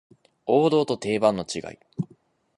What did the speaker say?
王道と定番の違い